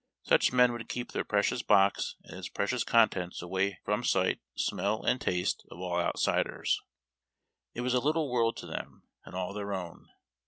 Such men would keep their prec ious box and its precious contents away from sight, smell, and taste of all outsiders. It was a little world to them, and all their own.